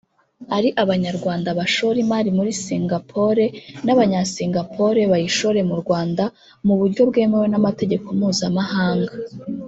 ari abanyarwanda bashore imari muri Singapore n’Abanya-Singapore bayishore mu Rwanda mu buryo bwemewe n’amategeko Mpuzamahanga